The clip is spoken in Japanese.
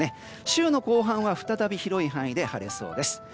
週の後半は再び広い範囲で晴れそうです。